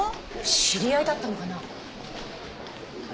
知り合いだったのかな？